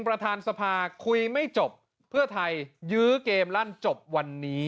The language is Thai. ประธานสภาคุยไม่จบเพื่อไทยยื้อเกมลั่นจบวันนี้